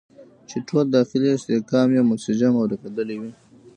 چې ټول داخلي استحکام یې منسجم او رغېدلی وي.